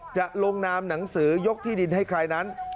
จะลงนามหนังสือยกที่ดินให้ใครนั้น